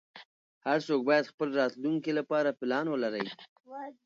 هر څوک باید خپل راتلونکې لپاره پلان ولری